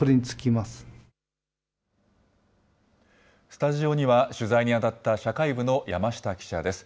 スタジオには、取材に当たった社会部の山下記者です。